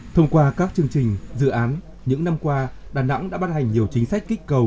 thông qua các chương trình dự án những năm qua đà nẵng đã ban hành nhiều chính sách kích cầu